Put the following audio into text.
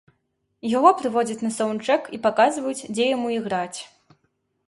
Яго прыводзяць на саўндчэк і паказваюць, дзе яму іграць.